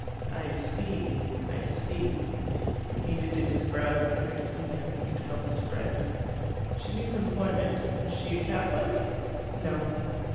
"I see. I see." He knitted his brows and tried to think how he could help his friend. "She needs employment. Is she a Catholic?" "No."